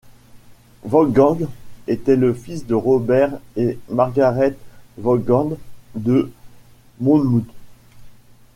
Vaughan était le fils de Robert et Margaret Vaughan de Monmouth.